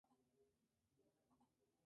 En invierno migran a altitudes menores.